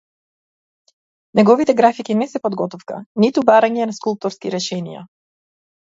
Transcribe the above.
Неговите графики не се подготовка, ниту барање на скулпторски решенија.